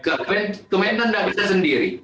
kementerian tidak bisa sendiri